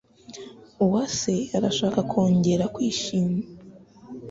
Uwase arashaka kongera kwishima.